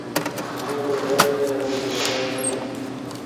هغه لوبغاړی یا ورزشکار نه و.